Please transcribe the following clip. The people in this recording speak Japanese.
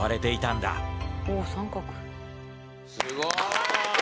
すごい！